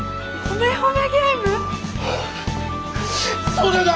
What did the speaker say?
それだ！